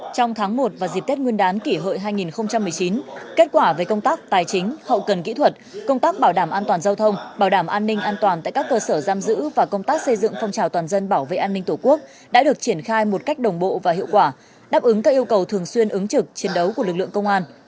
trong tháng một và dịp tết nguyên đán kỷ hợi hai nghìn một mươi chín kết quả về công tác tài chính hậu cần kỹ thuật công tác bảo đảm an toàn giao thông bảo đảm an ninh an toàn tại các cơ sở giam giữ và công tác xây dựng phong trào toàn dân bảo vệ an ninh tổ quốc đã được triển khai một cách đồng bộ và hiệu quả đáp ứng các yêu cầu thường xuyên ứng trực chiến đấu của lực lượng công an